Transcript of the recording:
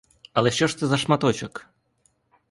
Але що ж це за шматочок!